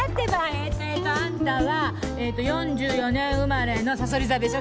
えーっとえーっとあんたはえーっと４４年生まれのさそり座でしょ。